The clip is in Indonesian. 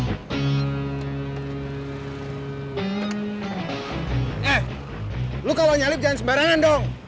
eh lu kalau nyalip jangan sembarangan dong